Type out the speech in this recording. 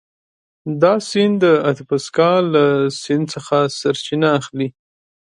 دا سیند د اتبسکا له سیند څخه سرچینه اخلي.